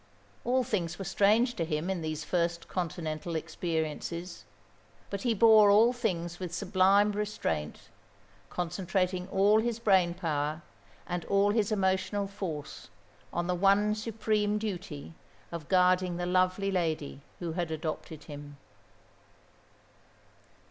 All things were strange to him in these first continental experiences; but he bore all things with sublime restraint, concentrating all his brain power and all his emotional force on the one supreme duty of guarding the lovely lady who had adopted him.